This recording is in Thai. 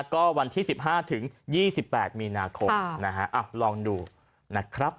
ก็วันที่๑๕ถึง๒๘มีนาคมนะฮะลองดูนะครับ